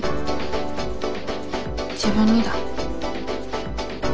自分にだ。